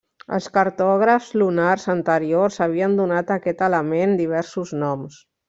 Els cartògrafs lunars anteriors havien donat a aquest element diversos noms.